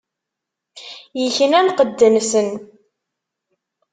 Ikna lqedd-nsen.